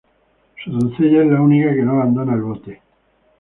Su doncella es la única que no abandona el bote.